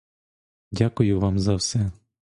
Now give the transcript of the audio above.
Дякую вам за все.